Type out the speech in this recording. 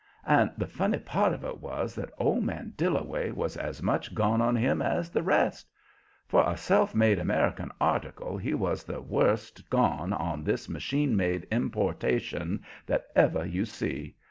And the funny part of it was that old man Dillaway was as much gone on him as the rest. For a self made American article he was the worst gone on this machine made importation that ever you see.